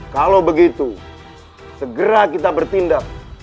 kalau begitu segera kita bertindak